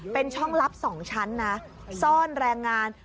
เป็นช่องลับ๒ชั้นนะซ่อนแรงงาน